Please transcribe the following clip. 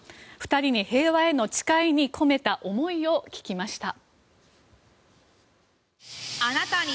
２人に「平和への誓い」に込めた思いを聞きました。